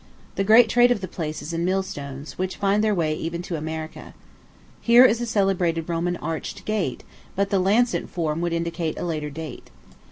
The great trade of the place is in millstones, which find their way even to America. Here is a celebrated Roman arched gate; but the lancet form would indicate a later date.